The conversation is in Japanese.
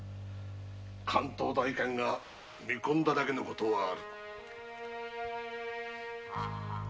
関東代官が見込んだだけのことはある。